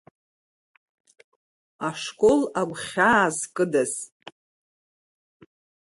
Ашкол агәхьаа зкыдаз.